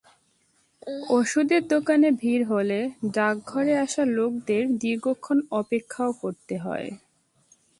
ওষুধের দোকানে ভিড় হলে ডাকঘরে আসা লোকদের দীর্ঘক্ষণ অপেক্ষাও করতে হয়।